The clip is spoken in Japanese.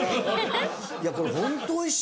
いやこれ本当おいしいよ。